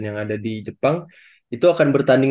yang ada di jepang itu akan bertanding